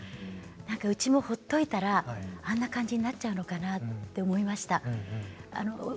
うちも放っておいたらあんな感じになっちゃうのかなと思いました。